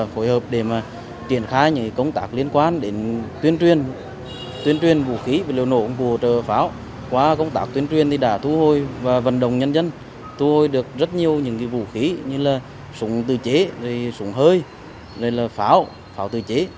phối hợp để mà triển khai các loại vũ khí vật liệu nổ công cụ hỗ trợ và pháo